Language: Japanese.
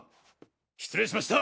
失礼しました。